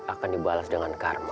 akan dibalas dengan karma